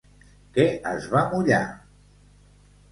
Què es va mullar?